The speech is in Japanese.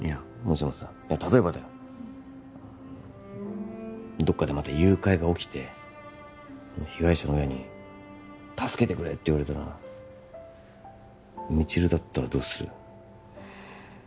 うんどっかでまた誘拐が起きて被害者の親に助けてくれって言われたら未知留だったらどうする？